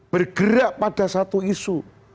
bergerak pada satu isu